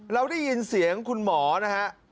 เราได้ยินเสียงคุณหมอนะฮะ